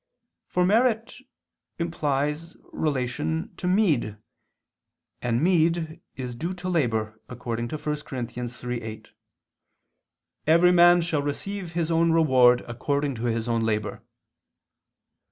For merit implies relation to meed; and meed is due to labor, according to 1 Cor. 3:8, "Every man shall receive his own reward according to his own labor."